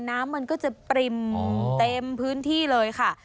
น้ำมันก็จะปริ่มเต็มพื้นที่เลยค่ะ